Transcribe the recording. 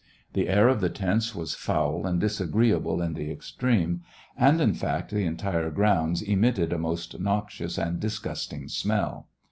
»»The air of the tents was foul and disagreeable in the extreme, and in fact the entire grounjls emitted a most noxious and disgusting smell.